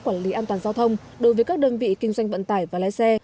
quản lý an toàn giao thông đối với các đơn vị kinh doanh vận tải và lái xe